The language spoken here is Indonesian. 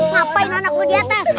ngapain anak lu diatas